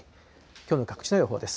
きょうの各地の予報です。